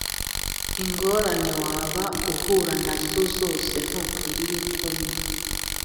Ingorane waba uhura na zo zose ntukwiriye kumva